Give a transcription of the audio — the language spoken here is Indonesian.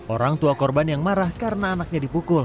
orang tua korban yang marah karena anaknya dipukul